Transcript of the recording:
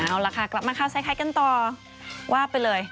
เอาล่ะค่ะกลับมาครับใส่ใครกันต่อวาบไปเลย